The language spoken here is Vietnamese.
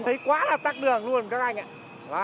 thấy quá là tắc đường luôn các anh ạ